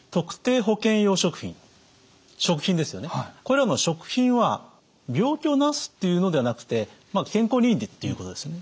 これらの食品は病気を治すっていうのではなくて健康にいいっていうことですよね。